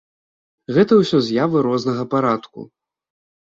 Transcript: Гэта ўсё з'явы рознага парадку.